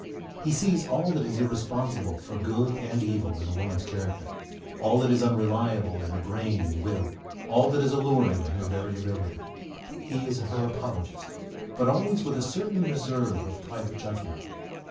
He sees all that is irresponsible for good and evil in a woman's character, all that is unreliable in her brain and will, all that is alluring in her variability. He is her apologist, but always with a certain reserve of private judgment.